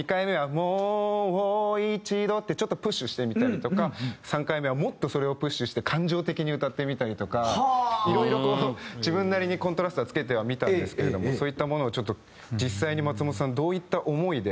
「もぅお一度」ってちょっとプッシュしてみたりとか３回目はもっとそれをプッシュして感情的に歌ってみたりとか色々と自分なりにコントラストはつけてはみたんですけれどもそういったものを実際に松本さんどういった思いで。